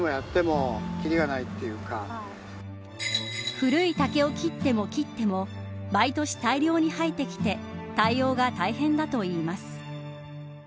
古い竹を切っても切っても毎年大量に生えてきて対応が大変だといいます。